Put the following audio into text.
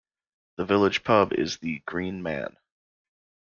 The village pub is the "Green Man".